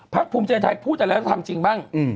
ภูมิใจไทยพูดอะไรแล้วทำจริงบ้าง